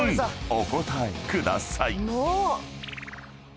お答えください］